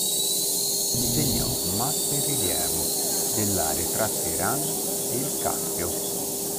Disegnò mappe in rilievo dell'area tra Teheran e il Caspio.